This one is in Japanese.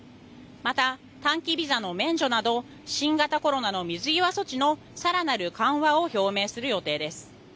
また、短期ビザの免除など新型コロナの水際措置の更なる緩和を表明する予定です。